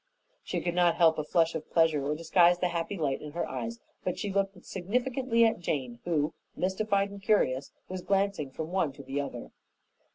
She could not help a flush of pleasure or disguise the happy light in her eyes, but she looked significantly at Jane, who, mystified and curious, was glancing from one to the other.